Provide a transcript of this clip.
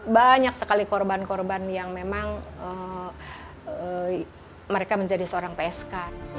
banyak sekali korban korban yang memang mereka menjadi seorang psk